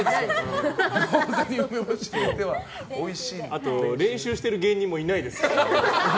あと練習している芸人もいないですからね。